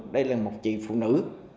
đây là một chị phụ nữ